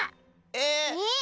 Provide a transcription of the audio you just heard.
え？